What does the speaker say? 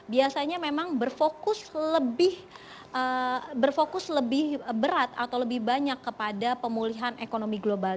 biasanya memang berfokus lebih berfokus lebih berat atau lebih banyak kepada pemulihan ekonomi global